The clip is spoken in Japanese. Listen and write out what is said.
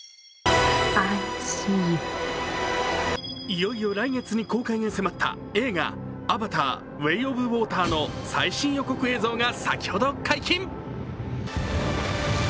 いよいよ来月に公開が迫った映画「アバター：ウェイ・オブ・ウォーター」の最新予告映像が先ほど解禁。